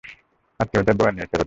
আত্মীদের বয়ান নিয়ে, ছেড়ে দাও।